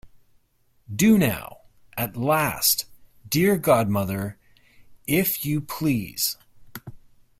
Do now, at last, dear godmother, if you please!